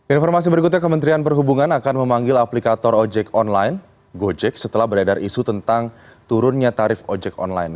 informasi berikutnya kementerian perhubungan akan memanggil aplikator ojek online gojek setelah beredar isu tentang turunnya tarif ojek online